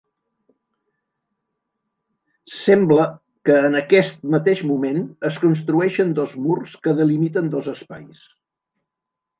Sembla que en aquest mateix moment es construeixen dos murs que delimiten dos espais.